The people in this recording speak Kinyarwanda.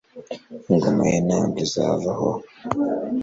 ingoma ye ntabwo izavaho